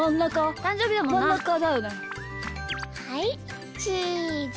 はいチーズ！